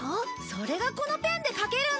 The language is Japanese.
それがこのペンで描けるんだ！